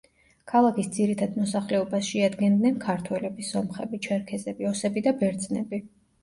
ქალაქის ძირითად მოსახლეობას შეადგენდნენ ქართველები, სომხები, ჩერქეზები, ოსები და ბერძნები.